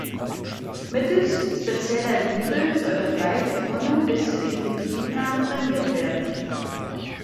Mittels spezieller Dübel soll dabei der Tunnel bis zur Inbetriebnahme saniert werden.